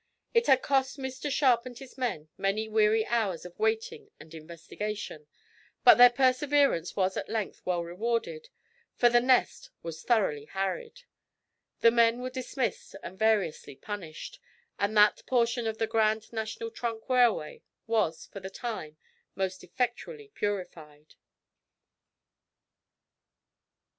It had cost Mr Sharp and his men many weary hours of waiting and investigation, but their perseverance was at length well rewarded, for the "nest" was thoroughly "harried;" the men were dismissed and variously punished, and that portion of the Grand National Trunk Railway was, for the time, most effectually purified.